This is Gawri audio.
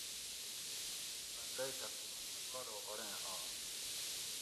بندئی تقریباً ا کالو اڑیں آش